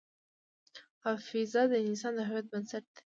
حافظه د انسان د هویت بنسټ ده.